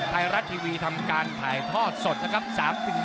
ไทยรัฐทีวีทำการถ่ายทอดสดนะครับ